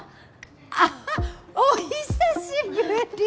あっお久しぶり！